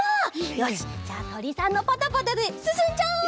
よしじゃあとりさんのパタパタですすんじゃおう！